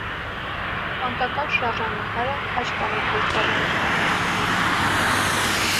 Մանկական շարժանկարը քաջ ծանօթ է իր դաժանութեամբ եւ բռնութեամբ։